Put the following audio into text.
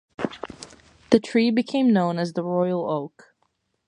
The tree became known as the Royal Oak.